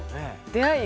「出会い」